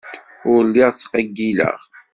Ur lliɣ ttqeyyileɣ.